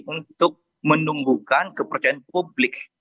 untuk menumbuhkan kepercayaan publik